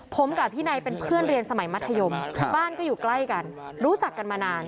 ผมกับพี่นายเป็นเพื่อนเรียนสมัยมัธยมบ้านก็อยู่ใกล้กันรู้จักกันมานาน